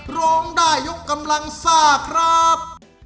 ร้องได้ยกกำลังซ่าครับ